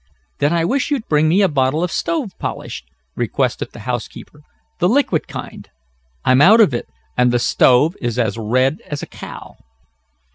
"Then I wish you'd bring me a bottle of stove polish," requested the housekeeper. "The liquid kind. I'm out of it, and the stove is as red as a cow."